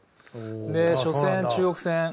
で初戦中国戦。